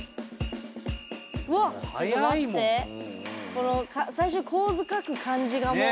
この最初構図描く感じがもう。